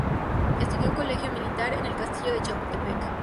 Estudió en Colegio Militar en el Castillo de Chapultepec.